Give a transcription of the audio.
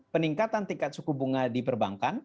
peningkatan tingkat suku bunga di perbankan